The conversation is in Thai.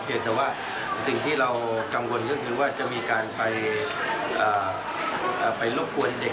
แต่ว่าสิ่งที่เรากังวลก็คือว่าจะมีการไปรบกวนเด็ก